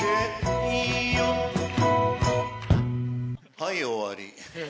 はい終わり。